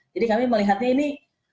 jadi kami melihatnya ini